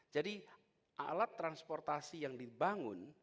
jadi alat transportasi yang dibangun